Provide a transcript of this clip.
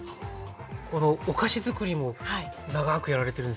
このお菓子づくりも長くやられてるんですか？